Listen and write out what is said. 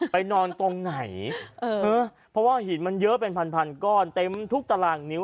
ไปนอนตรงไหนเออเพราะว่าหินมันเยอะเป็นพันพันก้อนเต็มทุกตารางนิ้ว